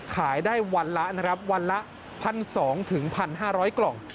ขายได้วันละนะครับวันละ๑๒๐๐๑๕๐๐กล่อง